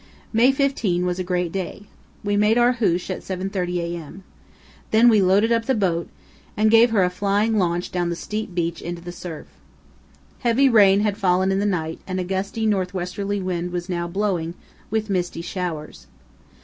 May 15 was a great day. We made our hoosh at 7.30 a.m. Then we loaded up the boat and gave her a flying launch down the steep beach into the surf. Heavy rain had fallen in the night and a gusty north westerly wind was now blowing, with misty showers.